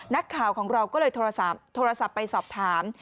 นักข่าวของเราก็เลยโทรศัพท์ไปสอบถาม